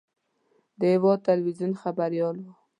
د هېواد تلویزیون خبریال و.